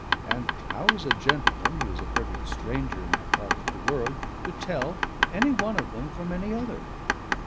And how is a gentleman, who is a perfect stranger in that part of the world, to tell any one of them from any other?